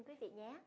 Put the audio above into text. quý vị nhé